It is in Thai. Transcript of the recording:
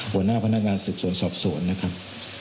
หัวหน้าพนักงานสืบสวนสอบสวนนะครับ